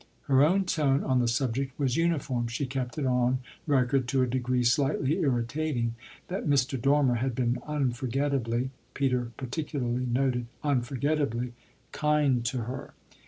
Her own tone on the subject was uniform: she kept it on record to a degree slightly irritating that Mr. Dormer had been unforgettably Peter particularly noted "unforgettably" kind to her.